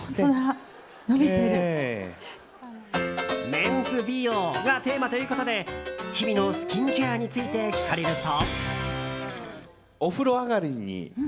メンズ美容がテーマということで日々のスキンケアについて聞かれると。